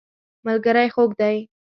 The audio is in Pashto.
ملګری خوږ دی.